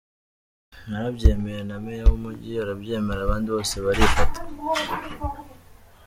Narabyemeye na Meya w’Umujyi arabyemera abandi bose barifata.